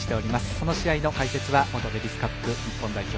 この試合の解説は元デビスカップ日本代表